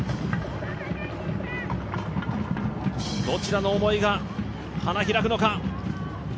どちらの思いが花開くのか。